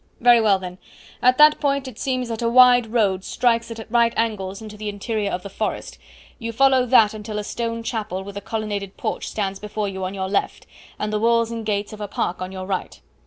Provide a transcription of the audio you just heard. "Very well, then; at that point it seems that a wide road strikes at right angles into the interior of the forest; you follow that until a stone chapel with a colonnaded porch stands before you on your left, and the walls and gates of a park on your right.